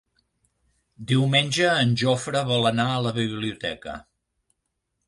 Diumenge en Jofre vol anar a la biblioteca.